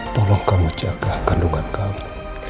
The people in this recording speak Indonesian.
tolong kamu jaga kandungan kamu